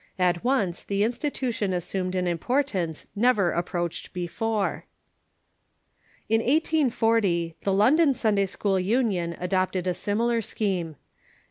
At once the institution assumed an importance never approached before. In 1840 the London Sunday school LTnion adopted a similar scheme.